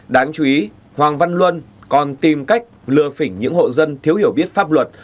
đáng chú ý hoàng văn luân còn tìm cách lừa phỉnh những hộ dân thiếu hiểu biết pháp luật